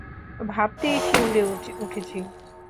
ভাবতেই শিউরে উঠছি।